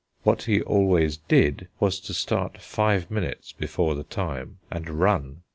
What he always did was to start five minutes before the time and run.